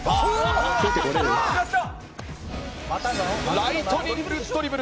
ライトニングドリブル！